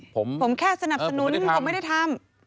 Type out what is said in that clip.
ผมแค่สนับสนุนผมไม่ได้ทำ